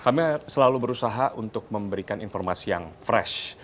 kami selalu berusaha untuk memberikan informasi yang fresh